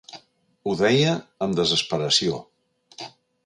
Ho deia amb desesperació.